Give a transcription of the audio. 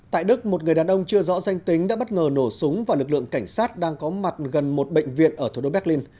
tại đức một người đàn ông chưa rõ danh tính đã bất ngờ nổ súng và lực lượng cảnh sát đang có mặt gần một bệnh viện ở thủ đô berlin